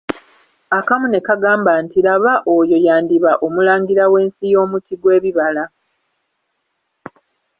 Akamu ne kagamba nti laba oyo yandiba omulangira w'ensi y'omuti gw'ebibala.